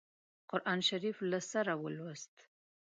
قرآن شریف له سره ولووست.